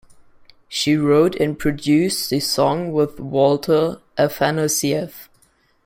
She wrote and produced the song with Walter Afanasieff.